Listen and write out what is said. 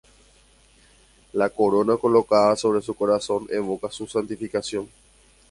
La corona colocada sobre el corazón evoca su santificación.